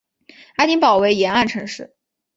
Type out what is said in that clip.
爱丁堡为沿岸城市。